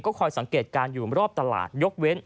พร้อมกับหยิบมือถือขึ้นไปแอบถ่ายเลย